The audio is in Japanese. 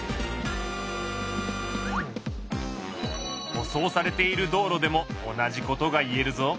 舗装されている道路でも同じことが言えるぞ。